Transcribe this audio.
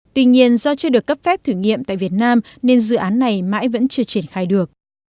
tuy nhiên do chưa được cấp phép thử nghiệm tại việt nam nên dự án này mãi vẫn chưa triển khai được